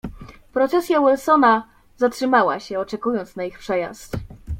"Procesja Wilsona zatrzymała się, oczekując na ich przejazd."